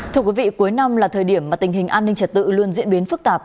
thưa quý vị cuối năm là thời điểm mà tình hình an ninh trật tự luôn diễn biến phức tạp